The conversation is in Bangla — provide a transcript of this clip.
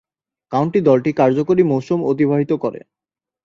কাউন্টি দলটি কার্যকরী মৌসুম অতিবাহিত করে।